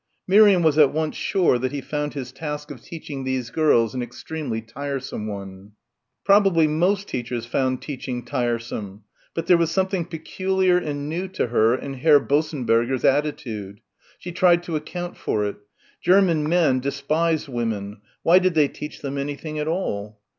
Miriam was at once sure that he found his task of teaching these girls an extremely tiresome one. Probably most teachers found teaching tiresome. But there was something peculiar and new to her in Herr Bossenberger's attitude. She tried to account for it ... German men despised women. Why did they teach them anything at all?